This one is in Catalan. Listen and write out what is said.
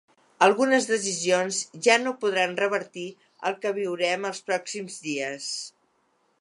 Algunes decisions ja no podran revertir el que viurem els pròxims dies.